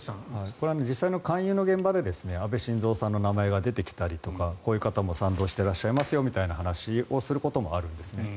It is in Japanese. これ実際に勧誘の場で安倍晋三さんの名前が出てきたりこういう方も賛同していらっしゃいますよという話をすることもあります。